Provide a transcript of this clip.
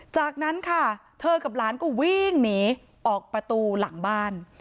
จากนั้นค่ะเธอกับหลานก็วิ่งหนีออกประตูหลังบ้าน